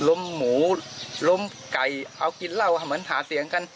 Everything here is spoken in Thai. ล้มหมูล้มไก่เอากินแล้วเป็นหาเสียงกัน